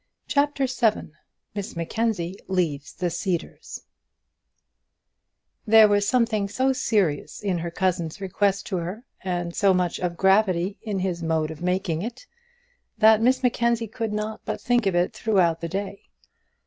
CHAPTER VII Miss Mackenzie Leaves the Cedars There was something so serious in her cousin's request to her, and so much of gravity in his mode of making it, that Miss Mackenzie could not but think of it throughout the day.